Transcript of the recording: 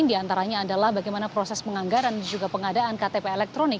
di antaranya adalah bagaimana proses penganggaran dan juga pengadaan ktp elektronik